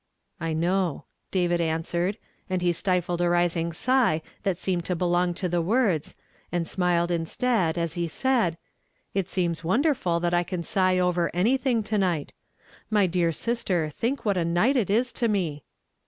'"• I know," David answered ; and he stifled a rising sigh that seemed to belong to the words, and smiled instead, as he said, —" It seems wonderful that I can sigh over an}' thing to night. My dear sister, think what a night it is to me